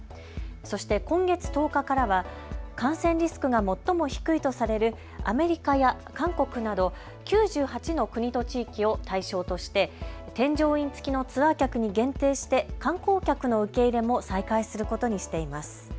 そして今月１０日からは感染リスクが最も低いとされるアメリカや韓国など９８の国と地域を対象として添乗員付きのツアー客に限定して観光客の受け入れも再開することにしています。